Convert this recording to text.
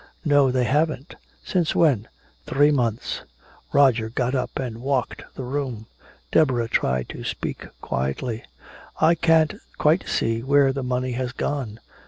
"No, they haven't " "Since when?" "Three months!" Roger got up and walked the room. Deborah tried to speak quietly: "I can't quite see where the money has gone."